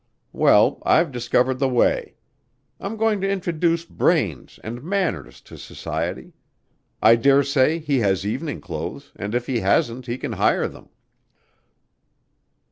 Well, I've discovered the way. I'm going to introduce brains and manners to society. I daresay he has evening clothes and if he hasn't he can hire them."